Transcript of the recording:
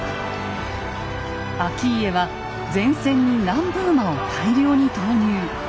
顕家は前線に南部馬を大量に投入。